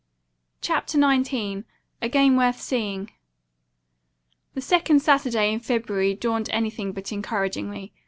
CHAPTER XIX A GAME WORTH SEEING The second Saturday in February dawned anything but encouragingly.